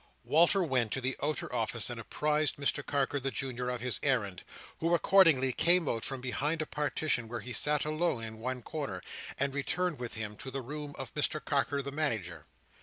Walter went to the outer office and apprised Mr Carker the Junior of his errand, who accordingly came out from behind a partition where he sat alone in one corner, and returned with him to the room of Mr Carker the Manager.